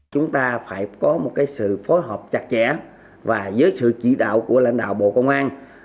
chúng ta phải có một sự phối hợp chặt chẽ và dưới sự chỉ đạo của lãnh đạo bộ công an